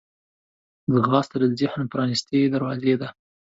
ځغاسته د ذهن پرانستې دروازې ده